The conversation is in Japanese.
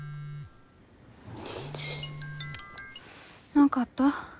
何かあった？